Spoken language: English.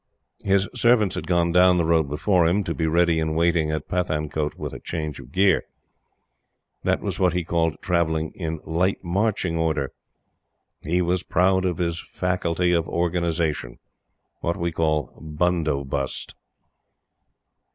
His servants had gone down the road before him, to be ready in waiting at Pathankote with a change of gear. That was what he called travelling in "light marching order." He was proud of his faculty of organization what we call bundobust.